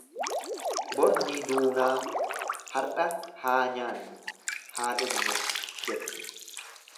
Bor ni duunaa, har'a haa nyaannu, haa dhugnus jettu.